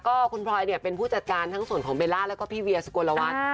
ก็คุณพลอยเนี่ยเป็นผู้จัดการทั้งส่วนของเบลล่าแล้วก็พี่เวียสุโกลวัฒน์